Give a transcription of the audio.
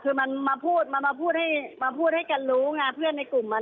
คือมันมาพูดมาพูดให้กันรู้งานเพื่อนในกลุ่มมัน